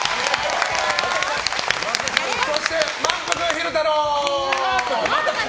そして、まんぷく昼太郎！